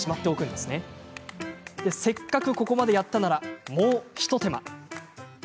せっかくここまでやったならもう一手間。